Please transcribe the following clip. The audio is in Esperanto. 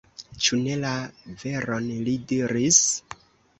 Ĉu ne la veron li diris?